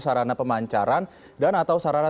sarana pemancaran dan atau sarana